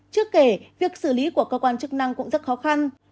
chưa kể việc xử lý của cơ quan chức năng cũng rất khó khăn